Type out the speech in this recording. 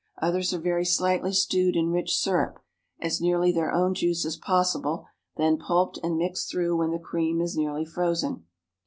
Others are very slightly stewed in rich syrup (as nearly their own juice as possible), then pulped and mixed through when the cream is nearly frozen.